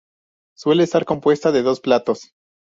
Suele estar compuesta de dos platos.